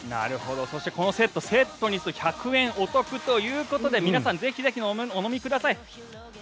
そしてこのドリンクセットにすると１００円お得ということで皆さんぜひお飲みください。